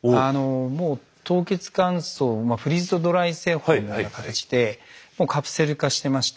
もう凍結乾燥フリーズドライ製法のような形でもうカプセル化してまして。